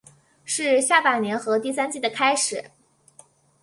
是下半年和第三季的开始。